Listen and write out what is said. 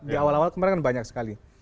di awal awal kemarin kan banyak sekali